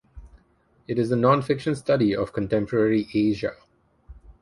It is a nonfiction study of contemporary Asia.